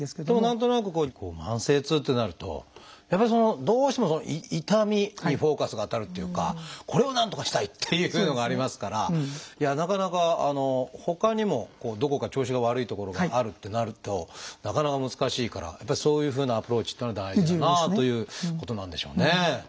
でも何となくこう慢性痛ってなるとやっぱりどうしても痛みにフォーカスが当たるっていうかこれをなんとかしたい！っていうのがありますからなかなかほかにもどこか調子が悪いところがあるってなるとなかなか難しいからやっぱりそういうふうなアプローチっていうのは大事だなということなんでしょうね。